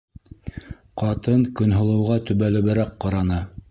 - Ҡатын Көнһылыуға төбәлеберәк ҡараны.